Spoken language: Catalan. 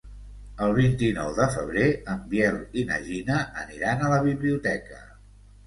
El vint-i-nou de febrer en Biel i na Gina aniran a la biblioteca.